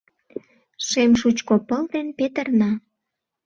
Шем шучко пыл ден петырна